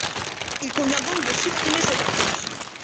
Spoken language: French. Il convient donc de supprimer cet article.